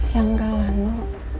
ya enggak lah no